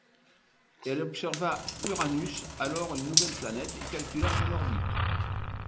Il observa Uranus, alors une nouvelle planète, et calcula son orbite.